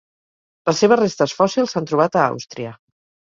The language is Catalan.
Les seves restes fòssils s'han trobat a Àustria.